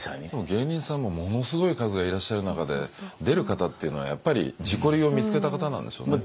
芸人さんもものすごい数がいらっしゃる中で出る方っていうのはやっぱり自己流を見つけた方なんでしょうね。